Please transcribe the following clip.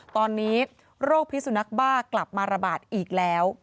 ตอนนี้โรคพิสุนักบ้ากลับมาระบาดอีกแล้ว